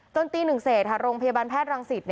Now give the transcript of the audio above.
ตี๑เสร็จโรงพยาบาลแพทย์รังสิต